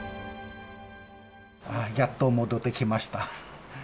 やっと戻ってきました。